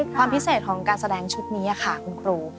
ความพิเศษของการแสดงชุดนี้ค่ะคุณครู